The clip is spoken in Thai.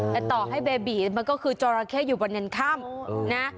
อ๋อแต่ต่อให้เบบีมันก็คือจรเคศอยู่บนยันคร่ำเออนะ